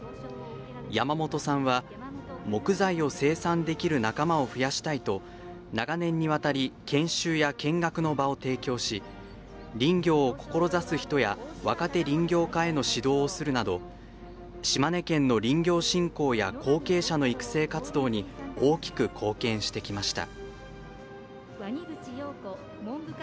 山本さんは「木材を生産できる仲間を増やしたい」と長年にわたり研修や見学の場を提供し林業を志す人や若手林業家への指導をするなど島根県の林業振興や後継者の育成活動に大きく貢献してきました。